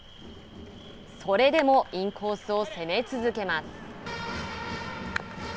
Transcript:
それでもインコースを攻め続けます。